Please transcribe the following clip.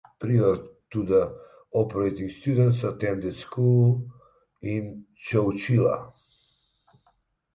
Prior to the opening students attended school in Chowchilla.